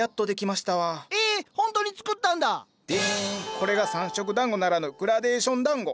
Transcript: これが３色団子ならぬグラデーション団子。